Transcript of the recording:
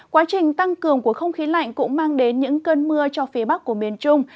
quá trình tăng cường của không khí lạnh cũng mang đến những cơn mưa cho phía bắc của miền trung